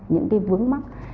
những cái vướng mắt